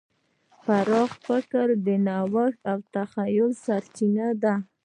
پراخ فکر د نوښت او تخیل سرچینه ده.